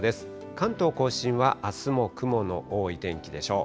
関東甲信はあすも雲の多い天気でしょう。